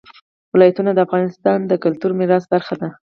ولایتونه د افغانستان د کلتوري میراث برخه ده.